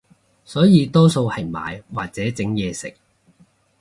所以多數係買或者整嘢食